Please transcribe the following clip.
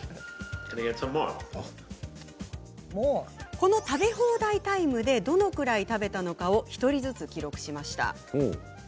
この食べ放題タイムでどのくらい食べたのかを１人ずつ記録しました。